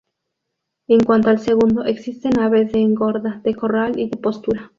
En cuanto al segundo, existen aves de engorda, de corral y de postura.